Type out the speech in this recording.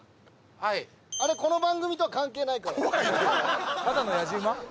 はいあれこの番組とは関係ないから怖いってただのやじ馬？